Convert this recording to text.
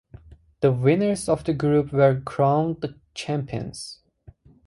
The winners of the group were crowned the Champions.